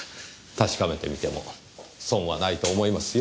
確かめてみても損はないと思いますよ。